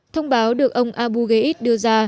thông báo được ông abu ghait đưa ra